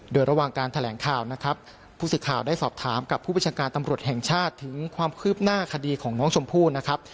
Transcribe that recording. โดยระหว่างการแถลงข่าวนะครับผู้สื่อข่าวได้สอบถามกับผู้ประชาการตำรวจแห่งชาติถึงความคืบหน้าคดีของน้องชมพู่นะครับ